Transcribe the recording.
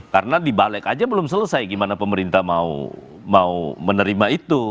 karena dibalik aja belum selesai gimana pemerintah mau menerima itu